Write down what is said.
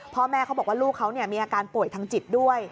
พ่อแม่เขาบอกว่าลูกเขามีอาการป่วยทางจิตด้วย